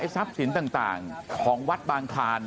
ทรัพย์สินต่างของวัดบางคลาน